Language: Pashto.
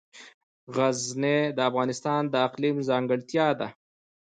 غزني د افغانستان د اقلیم ځانګړتیا ده.